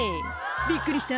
びっくりした？